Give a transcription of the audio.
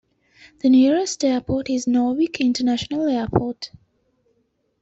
The nearest airport is Norwich International Airport.